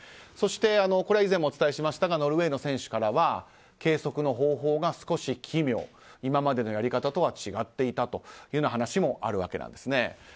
そして、これは以前もお伝えしましたがノルウェーの選手からは計測の方法が少し奇妙今までのやり方と違っていたという話もあるんです。